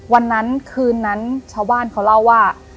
วันนั้นคืนนั้นชาวบ้านเขาเล่าว่า